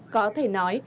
có thể nói